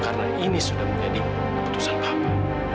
karena ini sudah menjadi keputusan papa